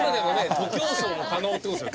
徒競走も可能って事ですよ。